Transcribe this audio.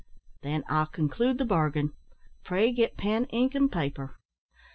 "Then I'll conclude the bargain pray get pen, ink, and paper."